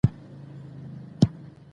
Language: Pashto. هېواد د ګډو احساساتو کور دی.